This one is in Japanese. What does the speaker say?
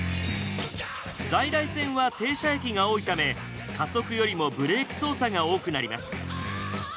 在来線は停車駅が多いため加速よりもブレーキ操作が多くなります。